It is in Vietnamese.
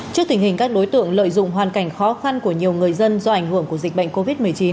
trước tình hình các đối tượng lợi dụng hoàn cảnh khó khăn của nhiều người dân do ảnh hưởng của dịch bệnh covid một mươi chín